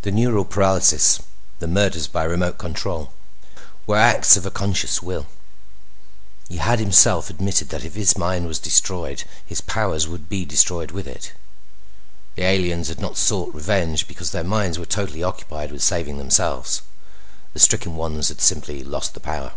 The neural paralysis, the murders by remote control, were acts of a conscious will. He had himself admitted that if his mind was destroyed his powers would be destroyed with it. The aliens had not sought revenge because their minds were totally occupied with saving themselves. The stricken ones had simply lost the power.